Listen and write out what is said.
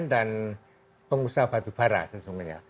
dan pengusaha batubara sesungguhnya